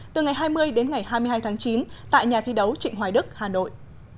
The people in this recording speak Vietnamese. từ ngày hai mươi đến ngày hai mươi hai tháng chín tại nhà thi đấu trịnh hoài đức hà nội